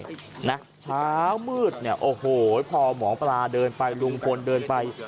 เช้ามืดพอหมอปลาเดินไปลุงพลเดินไป